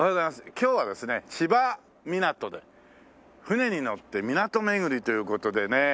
今日はですね千葉みなとで船に乗って港巡りという事でね。